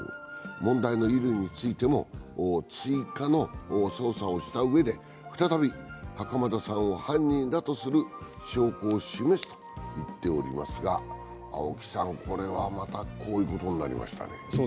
問題の衣類についても、追加の捜査をしたうえで再び、袴田さんを犯人だとする証拠を示すと言っていますが青木さん、これはまたこういうことになりましたね。